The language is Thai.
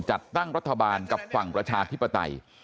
จัดตั้งรัฐบาลกับฝั่งประชาธิปไตย